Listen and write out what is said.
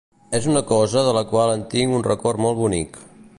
És una cosa de la qual en tinc un record molt bonic.